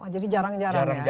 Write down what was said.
jadi jarang jarang ya